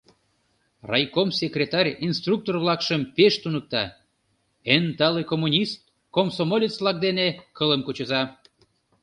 Райком секретарь инструктор-влакшым пеш туныкта: «Эн тале коммунист, комсомолец-влак дене кылым кучыза.